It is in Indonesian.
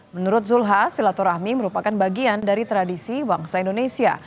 menurut zulhas silaturahmi merupakan bagian dari tradisi bangsa indonesia